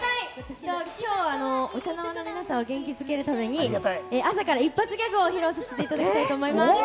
きょうはお茶の間の皆さんを元気づけるために朝から一発ギャグを披露させていただきたいと思います。